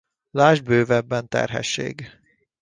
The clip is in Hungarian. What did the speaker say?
Lásd bővebben terhesség.